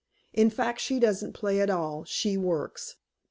In fact, she doesn't play at it; she works.